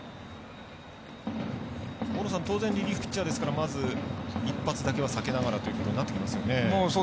当然リリーフピッチャーですからまず一発だけは避けながらということになってきますよね。